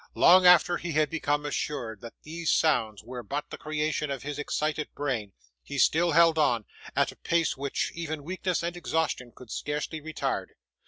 Long after he had become assured that these sounds were but the creation of his excited brain, he still held on, at a pace which even weakness and exhaustion could scarcely retard.